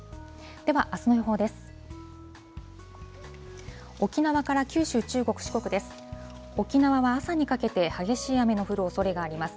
では、あすの予報です。